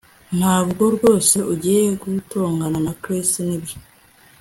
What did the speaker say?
Ntabwo rwose ugiye gutongana na Chris nibyo